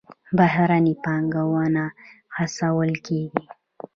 بهرنۍ پانګونه هڅول کیږي